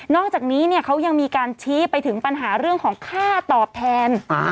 อกจากนี้เขายังมีการชี้ไปถึงปัญหาเรื่องของค่าตอบแทน